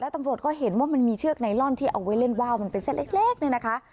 แล้วตำรวจก็เห็นว่ามันมีเชือกนายลอนที่เอาไว้เล่นวาวเป็นใช้เล็กนี่นะคะ